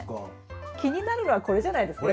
気になるのはこれじゃないですか？